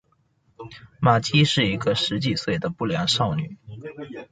玛姬是一个十几岁的不良少女。